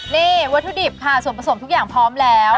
นี่วัตถุดิบค่ะส่วนผสมทุกอย่างพร้อมแล้ว